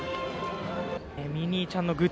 ミニーちゃんのグッズ